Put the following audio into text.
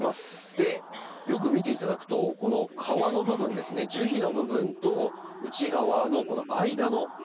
でよく見ていただくとこの皮の部分ですね樹皮の部分と内側のこの間の境目ありますよね。